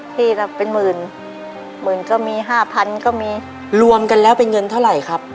ที่ละเป็นหมื่นหมื่นก็มีห้าพันก็มีรวมกันแล้วเป็นเงินเท่าไหร่ครับ